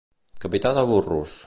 Capità de burros.